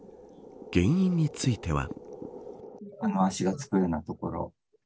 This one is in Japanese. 原因については。